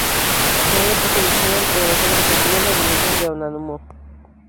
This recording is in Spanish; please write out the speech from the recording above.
Con ella puso en escena, entre otras, la obra "Niebla", de Miguel de Unamuno.